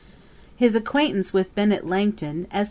] His acquaintance with Bennet Langton, Esq.